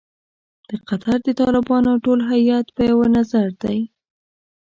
د قطر د طالبانو ټول هیات په یوه نظر دی.